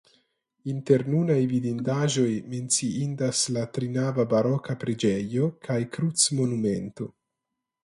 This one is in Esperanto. Inter nunaj vidindaĵoj menciindas la trinava baroka preĝejo kaj krucmonumento.